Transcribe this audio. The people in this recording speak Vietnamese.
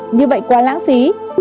như vậy quá lãng phí